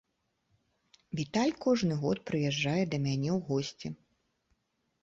Віталь кожны год прыязджае да мяне ў госці.